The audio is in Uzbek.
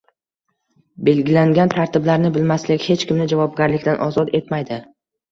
Belgilangan tartiblarni bilmaslik hech kimni javobgarlikdan ozod etmaydi